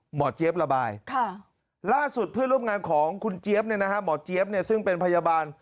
เจี๊ยบระบายล่าสุดเพื่อนร่วมงานของคุณเจี๊ยบหมอเจี๊ยบซึ่งเป็นพยาบาล